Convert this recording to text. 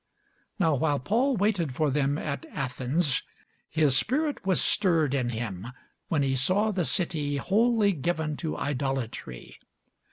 Now while Paul waited for them at Athens, his spirit was stirred in him, when he saw the city wholly given to idolatry.